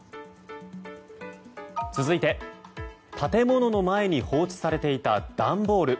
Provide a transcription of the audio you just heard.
続いて、建物の前に放置されていた段ボール。